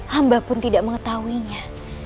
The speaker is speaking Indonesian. hamba pun tidak mengetahuinya